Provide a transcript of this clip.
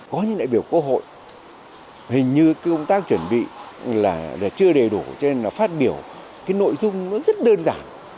có những đại biểu quốc hội hình như công tác chuẩn bị là chưa đầy đủ cho nên là phát biểu cái nội dung nó rất đơn giản